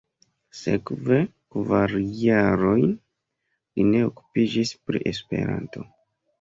Sekve kvar jarojn li ne okupiĝis pri Esperanto.